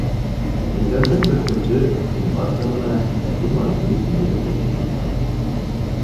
Көндәрҙән бер көндө Синдбад янына Әбү-Мансур исемле дуҫы килеп инә.